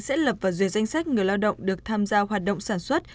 sẽ lập và duyệt danh sách người lao động được tham gia hoạt động sản xuất